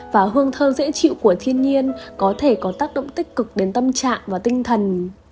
và hương thơ dễ chịu của thiên nhiên có thể có tác động tích cực đến tâm trạng và tinh thần